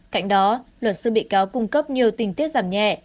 cạnh đó luật sư bị cáo cung cấp nhiều tình tiết giảm nhẹ